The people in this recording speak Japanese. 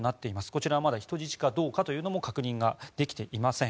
こちらはまだ人質かどうかというのも確認ができていません。